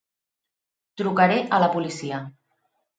Trucaré a la policia.